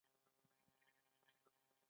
د پاچاهانو د ملک مصلحتونه پوهیږي.